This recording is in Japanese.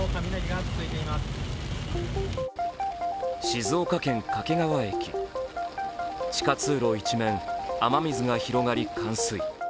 静岡県・掛川駅、地下通路一面、雨水が広がり冠水。